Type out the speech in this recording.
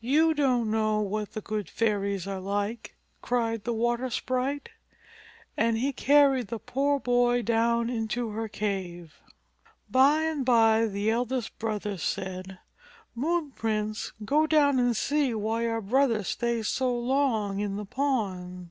".You don't know what the Good Fairies are like," 65 JATAKA TALES cried the water sprite, and he carried the poor boy down into his cave. By and by the eldest brother said, "Moon Prince, go down and see why our brother stays so long in the pond!"